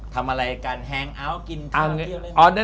ทำอะไรกันแฮงก์อัลกินเท้าเที่ยวอะไร